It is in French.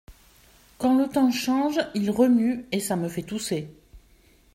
Quand le temps change, il remue, et ça me fait tousser.